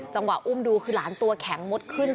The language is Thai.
อุ้มดูคือหลานตัวแข็งมุดขึ้น